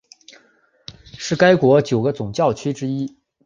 是该国九个总教区之一。